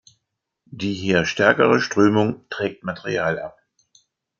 Die hier stärkere Strömung trägt Material ab.